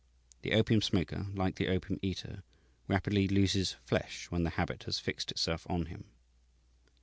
The opium smoker, like the opium eater, rapidly loses flesh when the habit has fixed itself on him.